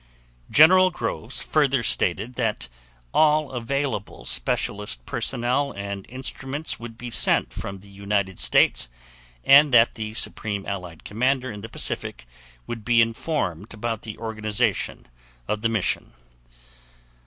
General Groves further stated that all available specialist personnel and instruments would be sent from the United States, and that the Supreme Allied Commander in the Pacific would be informed about the organization of the mission.